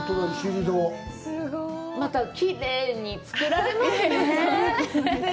またきれいに作られますね。